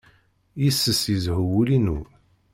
Yis-s yezhu wul-inu.